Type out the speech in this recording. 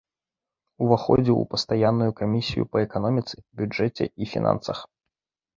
Уваходзіў у пастаянную камісію па эканоміцы, бюджэце і фінансах.